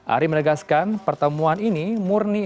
ari menegaskan pertemuan ini murni